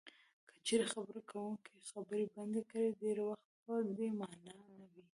که چېرې خبرې کوونکی خبرې بندې کړي ډېری وخت په دې مانا نه وي.